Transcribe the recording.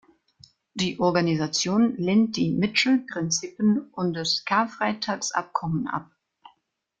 Die Organisation lehnt die Mitchell-Prinzipien und das Karfreitagsabkommen ab.